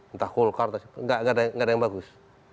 entah kulkas tidak ada yang bagus